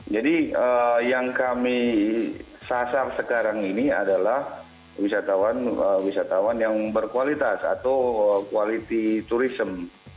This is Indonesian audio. jadi yang kami sasar sekarang ini adalah wisatawan yang berkualitas atau quality tourism